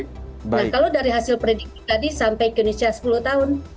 nah kalau dari hasil prediksi tadi sampai ke indonesia sepuluh tahun